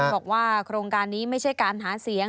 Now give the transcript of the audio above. บอกว่าโครงการนี้ไม่ใช่การหาเสียง